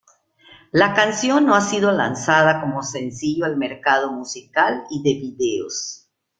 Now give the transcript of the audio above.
La canción no ha sido lanzada como sencillo al mercado musical y de videos.